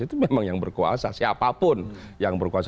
itu memang yang berkuasa siapapun yang berkuasa